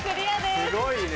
すごいね。